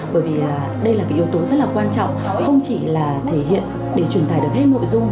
bởi vì đây là cái yếu tố rất là quan trọng không chỉ là thể hiện để truyền tải được hết nội dung